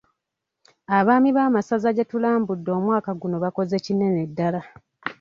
Abaami b'amasaza gye tulambudde omwaka guno bakoze kinene ddala.